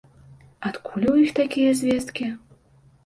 Адкуль у іх такія звесткі?